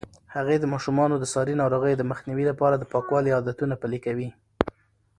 هغې د ماشومانو د ساري ناروغیو د مخنیوي لپاره د پاکوالي عادتونه پلي کوي.